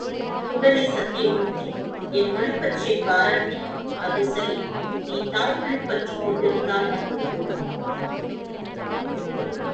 உடனே சத்யமூர்த்தி என் மொழிப்பற்றைப் பாராட்டி, அது சரி நீ தாய் மொழிப் பற்றுக் கொண்டிருந்தால் மட்டும் போதுமா?